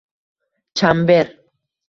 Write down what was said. chamber